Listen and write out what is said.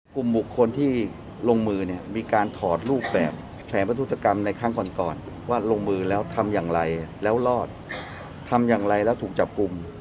กลุ่มบุคคลที่ลงมือเนี่ยมีการถอดรูปแบบแผนประทุศกรรมในครั้งก่อนก่อนว่าลงมือแล้วทำอย่างไรแล้วรอดทำอย่างไรแล้วถูกจับกลุ่ม